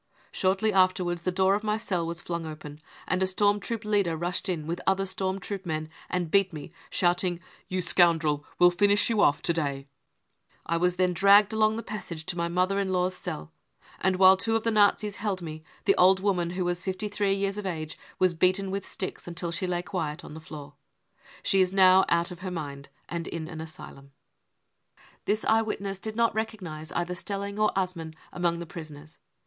fie Shortly afterwards the door of my cell was flung open, and a storm troop leader rushed in with other storm troop men and beat me, shouting :£ You scoundrel, we'll finish you off to day ! 9 I was then dragged along the passage to my mother in law's cell, and while two 'i 332 BROWN BOOK OF THE HITLER TERROR of the Nazis held me, the old woman, who was fifty three years of age, was beaten with sticks until she lay quiet on the floor. She is now out of her mind and in an asylum. ... 55 This eyewitness did not recognise either S telling or Ass mann among the prisoners.